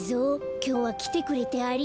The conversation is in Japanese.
きょうはきてくれてありがとう。